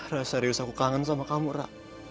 ra serius aku kangen sama kamu ra